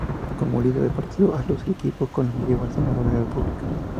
Como líder del partido Alas Equipo Colombia llegó al senado de la república.